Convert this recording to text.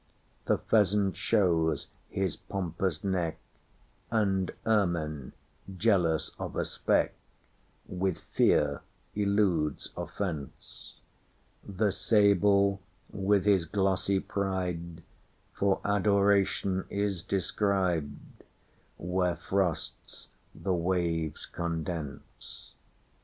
The pheasant shows his pompous neck; And ermine, jealous of a speck, With fear eludes offence:The sable, with his glossy pride, For Adoration is described, Where frosts the waves condense.